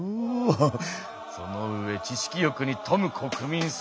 その上知識欲に富む国民性だと。